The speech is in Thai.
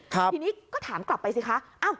ทีนี้ก็ถามกลับไปสิคะ